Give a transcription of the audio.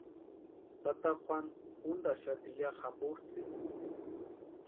Tata Juanu úntaxati ya japutsʼïni.